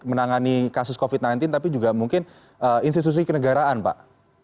menangani kasus covid sembilan belas tapi juga mungkin institusi kenegaraan pak